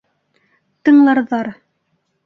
Тыңларҙар.